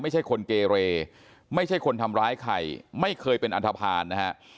ไม่ใช่คนเกเรไม่ใช่คนทำร้ายใครไม่เคยเป็นอันทภาณนะฮะ